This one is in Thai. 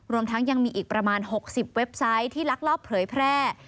รวมทั้งยังมีอีกประมาณ๖๐เว็บไซต์ที่ลักลอบเผยแพร่